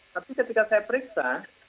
tapi ketika saya periksa